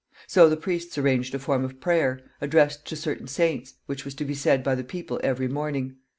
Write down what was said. So the priests arranged a form of prayer, addressed to certain saints, which was to be said by the people every morning.